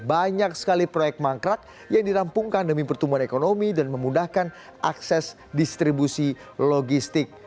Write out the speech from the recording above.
banyak sekali proyek mangkrak yang dirampungkan demi pertumbuhan ekonomi dan memudahkan akses distribusi logistik